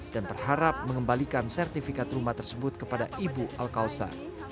dan berharap mengembalikan sertifikat rumah tersebut kepada ibu al khawtsar